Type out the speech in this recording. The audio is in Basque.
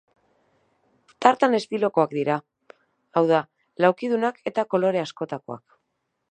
Tartan estilokoak dira, hau da, laukidunak eta kolore askotakoak.